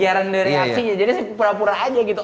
jadi saya pura pura aja gitu